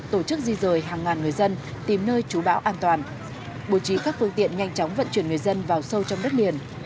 tổ chức di rời hàng ngàn người dân tìm nơi trú bão an toàn bố trí các phương tiện nhanh chóng vận chuyển người dân vào sâu trong đất liền